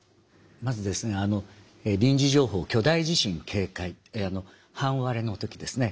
まずですね臨時情報巨大地震警戒半割れの時ですね。